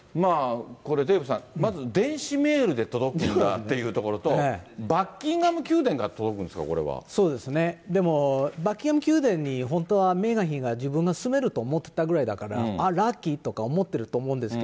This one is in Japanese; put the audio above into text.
これ、デーブさん、まず電子メールで届くんだということと、バッキンガム宮殿から届くんですか、そうですね、でもバッキンガム宮殿に本当なメーガン妃が自分が住めると思ってたんだから、ラッキーと思ってたぐらいなんですよ。